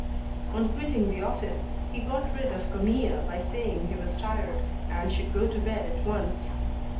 On quitting the office, he got rid of Camille by saying he was tired, and should go to bed at once.